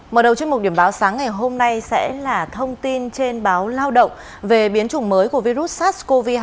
mở đầu chuyên mục điểm báo sáng ngày hôm nay sẽ là thông tin trên báo lao động về biến chủng mới của virus sars cov hai